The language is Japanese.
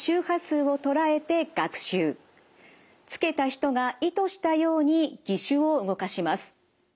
つけた人が意図したように義手を動かします。